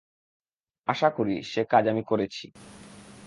আশা করি, সে কাজ আমি করেছি।